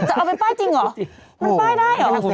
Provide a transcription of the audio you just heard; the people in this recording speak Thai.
จะเอาเป็นป้ายจริงหรอ